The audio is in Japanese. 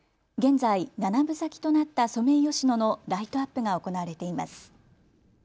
現在、７分咲きとなったソメイヨシノのライトアップが行われています。